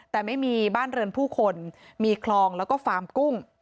แต่ไม่มีบ้านเรือนผู้คนมีคลองแล้วก็ฟาร์มกุ้ง